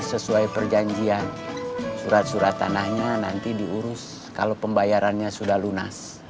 sesuai perjanjian surat surat tanahnya nanti diurus kalau pembayarannya sudah lunas